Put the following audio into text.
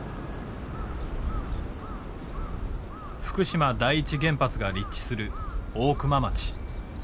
福島第一原発が立地する大熊町。